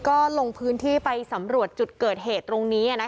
ก็ลงพื้นที่ไปสำรวจจุดเกิดเหตุตรงนี้